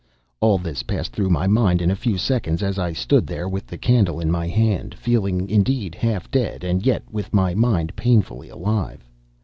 All this passed through my mind in a few seconds as I stood there with the candle in my hand, feeling indeed half dead, and yet with my mind painfully alive.